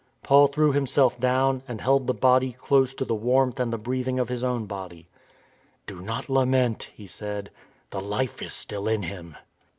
Paul threw himself down and held the body close to the warmth and the breathing of his own body. " Do not lament," he said, " the life is still in him."